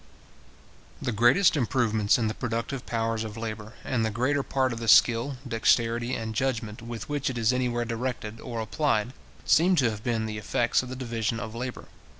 The greatest improvements in the productive powers of labour, and the greater part of the skill, dexterity, and judgment, with which it is anywhere directed, or applied, seem to have been the effects of the division of labour.